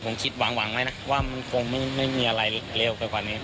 ผมคิดหวังไว้นะว่ามันคงไม่มีอะไรเร็วไปกว่านี้